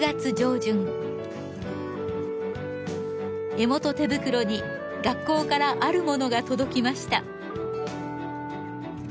江本手袋に学校からあるものが届きました。